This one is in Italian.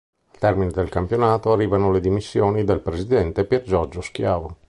Al termine del campionato arrivano le dimissioni del presidente Piergiorgio Schiavo.